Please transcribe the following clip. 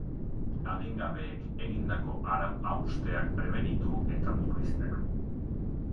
Adingabeek egindako arau-hausteak prebenitu eta murriztea.